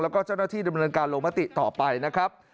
แล้วก็เจ้าหน้าที่ดำเนินการลงมติต่อไปนะครับ